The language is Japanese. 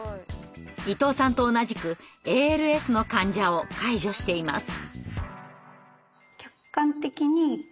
伊藤さんと同じくＡＬＳの患者を介助しています。